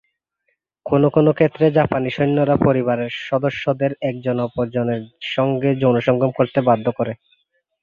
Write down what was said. কোনো কোনো ক্ষেত্রে জাপানি সৈন্যরা পরিবারের সদস্যদের একজনকে অপর জনের সঙ্গে যৌনসঙ্গম করতে বাধ্য করে।